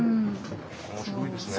面白いですね。